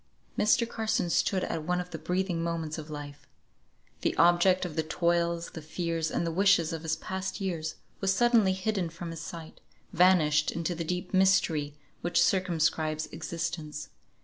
Mr. Carson stood at one of the breathing moments of life. The object of the toils, the fears, and the wishes of his past years, was suddenly hidden from his sight, vanished into the deep mystery which circumscribes existence.